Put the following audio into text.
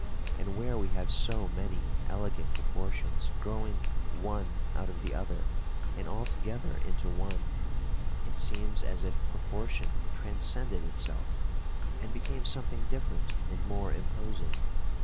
And where we have so many elegant proportions, growing one out of the other, and all together into one, it seems as if proportion transcended itself, and became something different and more imposing.